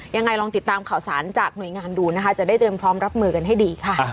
ยังไงลองติดตามข่าวสารจากหน่วยงานดูนะคะจะได้เตรียมพร้อมรับมือกันให้ดีค่ะ